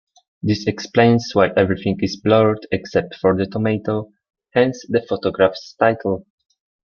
This explains why everything is blurred except for the tomato, hence the photograph's title.